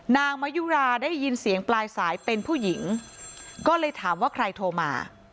นางมะยุราได้ยินเสียงปลายสายเป็นผู้หญิงก็เลยถามว่าใครโทรมา